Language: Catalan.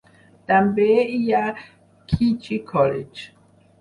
També hi ha Keachie College.